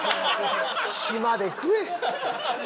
島で食え！